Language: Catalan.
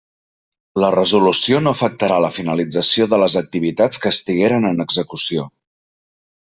La resolució no afectarà la finalització de les activitats que estigueren en execució.